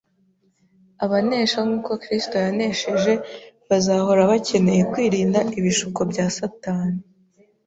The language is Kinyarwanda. Abanesha nk’uko Kristo yanesheje bazahora bakeneye kwirinda ibishuko bya Satani